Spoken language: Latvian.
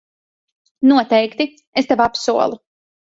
Noteikti, es tev apsolu.